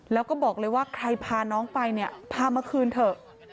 แล้วก็บอกเลยว่าใครพาน้องไปเนี่ยพามาคืนเถอะ